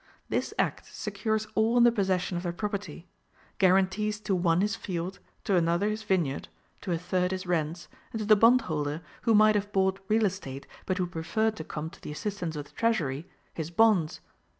This act secures all in the possession of their property; guarantees to one his field, to another his vineyard, to a third his rents, and to the bondholder, who might have bought real estate but who preferred to come to the assistance of the treasury, his bonds.